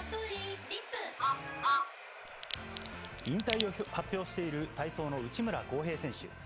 引退を発表している、体操の内村航平選手。